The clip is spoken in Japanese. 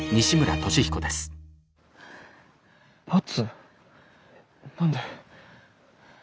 何で？